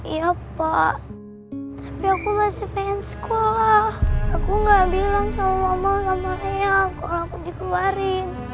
ya pak tapi aku masih pengen sekolah aku gak bilang sama mama sama ayah kalau aku dikeluarin